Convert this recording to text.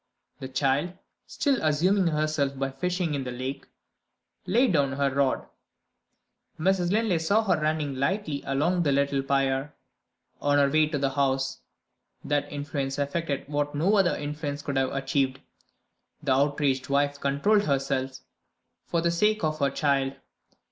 The child (still amusing herself by fishing in the lake) laid down her rod. Mrs. Linley saw her running lightly along the little pier, on her way to the house. That influence effected what no other influence could have achieved. The outraged wife controlled herself, for the sake of her child.